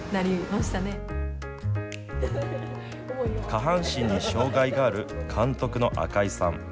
下半身に障害がある監督の赤井さん。